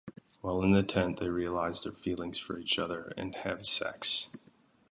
While in the tent, they realize their feelings for each other and have sex.